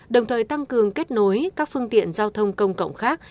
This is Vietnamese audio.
đồng thời tăng cường kết nối các phương tiện giao thông công cộng khác